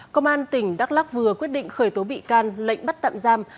công an tỉnh đắk lắc vừa quyết định khởi tố bị can lệnh bắt tạm giam